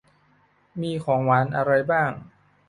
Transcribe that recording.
มีของหวานอะไรบ้าง